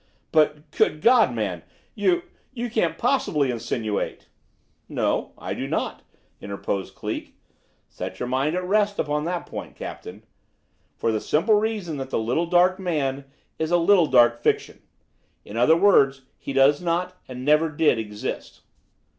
"But, good God, man! you you can't possibly insinuate " "No, I do not," interposed Cleek. "Set your mind at rest upon that point, Captain; for the simple reason that the little dark man is a little dark fiction; in other words, he does not and never did exist!"